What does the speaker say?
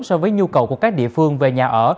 so với nhu cầu của các địa phương về nhà ở